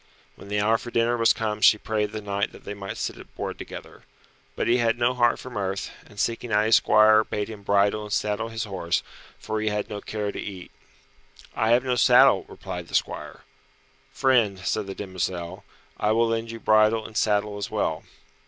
When the hour for dinner was come she prayed the knight that they might sit at board together. But he had no heart for mirth, and seeking out his squire bade him bridle and saddle his horse, for he had no care to eat. "I have no saddle," replied the squire. "Friend," said the demoiselle, "I will lend you bridle and saddle as well."